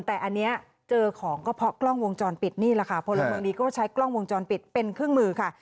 แต่อันนี้เจอของก็เพราะกล้องวงจรปิดนี่แหละค่ะพลเมืองดีก็ใช้กล้องวงจรปิดเป็นเครื่องมือค่ะ